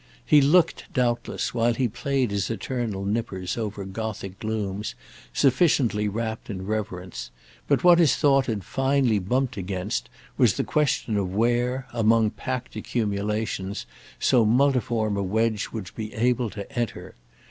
He looked, doubtless, while he played his eternal nippers over Gothic glooms, sufficiently rapt in reverence; but what his thought had finally bumped against was the question of where, among packed accumulations, so multiform a wedge would be able to enter.